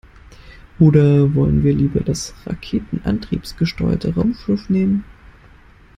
Oder wollen wir lieber das raketenantriebgesteuerte Raumschiff nehmen?